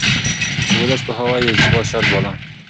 د ولس پوهاوی يې د ثبات شرط باله.